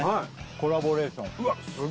コラボレーションうわっ